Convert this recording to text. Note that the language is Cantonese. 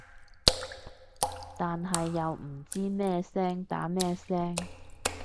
但係又唔知咩聲打咩聲